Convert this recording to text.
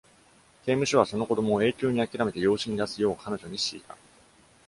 刑務所は、その子どもを永久にあきらめて養子に出すよう彼女に強いた。